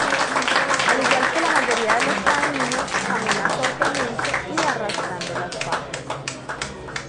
Al igual que la mayoría de los paíños, camina torpemente y arrastrando las patas.